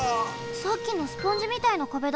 さっきのスポンジみたいな壁だ。